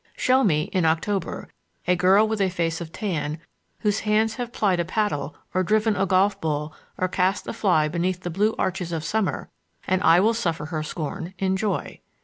Show me, in October, a girl with a face of tan, whose hands have plied a paddle or driven a golf ball or cast a fly beneath the blue arches of summer, and I will suffer her scorn in joy.